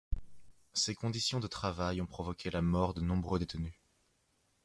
Ces conditions de travail ont provoqué la mort de nombreux détenus.